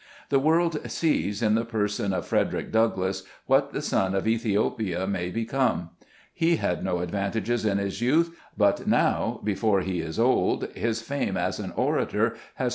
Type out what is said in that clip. The world sees, in the person of Frederick Douglass, what the son of Ethiopia may become. He had no advantages in his youth, but now, before he is old, his fame as an orator has